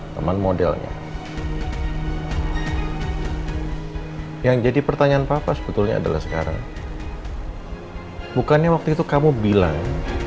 teman modelnya yang jadi pertanyaan papa sebetulnya adalah sekarang bukannya waktu itu kamu bilang